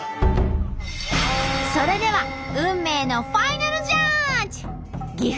それでは運命のファイナルジャッジ！